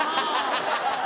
ハハハハハ！